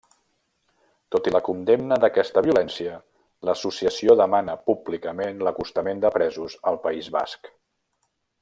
Tot i la condemna d'aquesta violència l'associació demana públicament l'acostament de presos al País Basc.